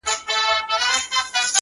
• تر څو به وینو وراني ویجاړي ,